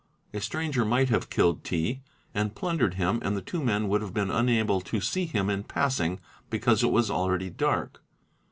A stranger might have _ killed T. and plundered him and the two men would have been unable to see him in passing, because it was already dark.